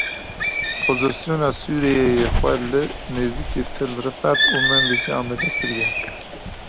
Opozisyona Sûriyeyê xwe li nêzîkî Til Rifet û Minbicê amade kiriye.